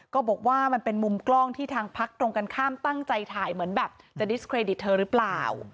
ก็บอกว่ามันเป็นมุมกล้องที่ทางพักตรงกันข้ามตั้งใจถ่ายเหมือนแบบจะดิสเครดิตเธอหรือเปล่า